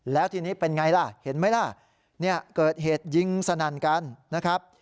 แล้วทีนี้เป็นไงล่ะเห็นไหมล่ะเนี่ยเกิดเหตุยิงสนั่นกันนะครับ